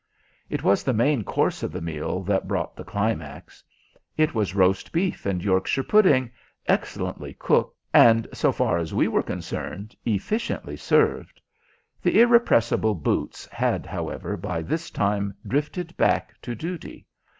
It was the main course of the meal that brought the climax. It was roast beef and Yorkshire pudding, excellently cooked, and, so far as we were concerned, efficiently served. The irrepressible boots had, however, by this time drifted back to duty.